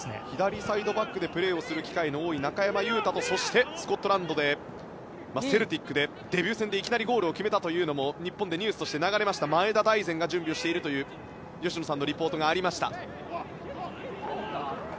左サイドバックでプレーする機会の多い中山雄太とそして、スコットランドセルティックでデビュー戦でいきなりゴールを決めたというのも日本でニュースとして流れました前田大然が準備しているという吉野さんのリポートです。